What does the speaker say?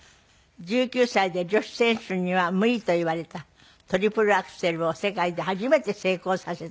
１９歳で女子選手には無理といわれたトリプルアクセルを世界で初めて成功させた。